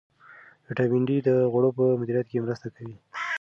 ویټامین ډي د غوړو په مدیریت کې مرسته کوي.